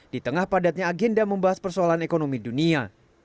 di tengah padatnya agenda membahas persoalan ekonomi dunia